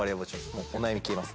もうお悩み消えます